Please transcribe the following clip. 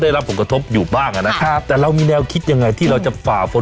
ได้รับผลกระทบอยู่บ้างนะครับแต่เรามีแนวคิดยังไงที่เราจะฝ่าฝน